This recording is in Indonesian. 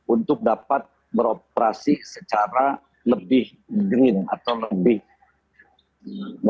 untuk dapat beroperasi secara lebih green atau lebih